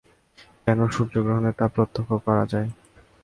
যেমন সূর্যগ্রহণে তা প্রত্যক্ষ করা যায়।